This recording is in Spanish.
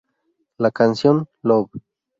La canción "Love?